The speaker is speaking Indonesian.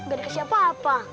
gak dikasih apa apa